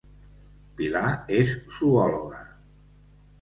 Pilar és zoòloga